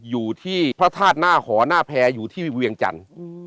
อยู่ที่พระธาตุหน้าหอหน้าแพรอยู่ที่เวียงจันทร์